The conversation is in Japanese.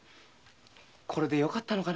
これでよかったのかな？